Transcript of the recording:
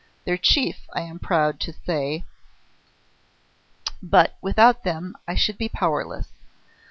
Their chief, I am proud to say; but without them, I should be powerless.